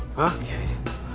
susah turun gak